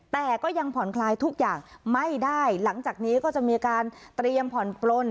แต่ก็ยังผ่อนคลายทุกอย่างไม่ได้หลังจากนี้ก็จะมีการเตรียมผ่อนปลน